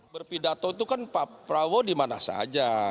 berpidato itu kan pak prabowo dimana saja